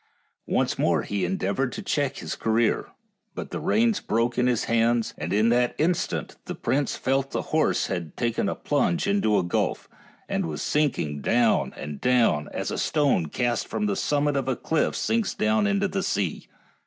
Once more he en deavored to check his career, but the reins broke in his hands, and in that instant the prince felt the horse had taken a plunge into a gulf, and was sinking down and down, as a stone cast from the summit of a cliff sinks down to the sea.